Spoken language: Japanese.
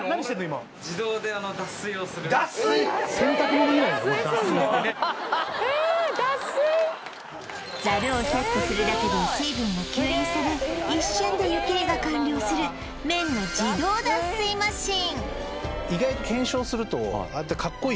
今ザルをセットするだけで水分が吸引され一瞬で湯切りが完了する麺の自動脱水マシン